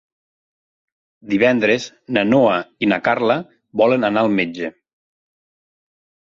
Divendres na Noa i na Carla volen anar al metge.